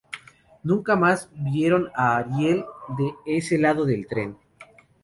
Nunca más vieron a Ariel de ese lado del tren